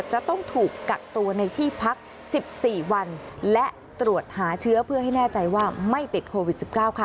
จะต้องถูกกักตัวในที่พัก๑๔วันและตรวจหาเชื้อเพื่อให้แน่ใจว่าไม่ติดโควิด๑๙ค่ะ